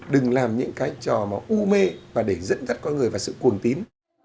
đừng làm những cái trò mà u mê và để dẫn dắt con người vào sự cuồng tín